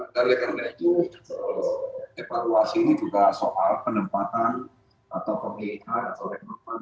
dari karena itu evaluasi ini juga soal penempatan atau pemeriksaan atau rekaman